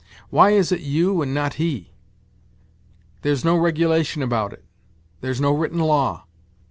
" Why is it you and not he ? There's no regulation about it; there's no written law.